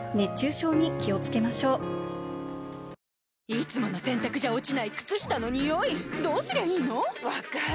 いつもの洗たくじゃ落ちない靴下のニオイどうすりゃいいの⁉分かる。